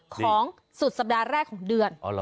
ของสุดสัปดาห์แรกของเดือน